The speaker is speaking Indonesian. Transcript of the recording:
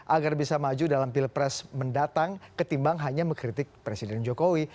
agar bisa maju dalam pilpres mendatang ketimbang hanya mengkritik presiden jokowi